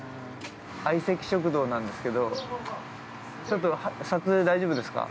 「相席食堂」なんですけどちょっと撮影、大丈夫ですか。